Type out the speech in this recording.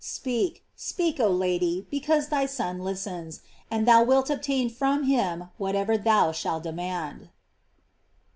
Speak, speak, oh Lady, be cause thy Son listens, and thou wilt obtain from him whatever thou shalt demand.